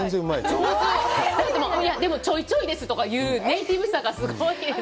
でもちょいちょいですとか言うネイティブさがすごいです。